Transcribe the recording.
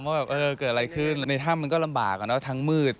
ว่าแบบเกิดอะไรขึ้นในท่ามันก็ลำบากนะครับทั้งมืด